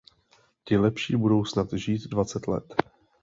Ti lepší budou snad žít dvacet let.